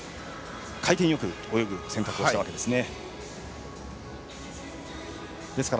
回転よく泳ぐ選択をしたわけですね。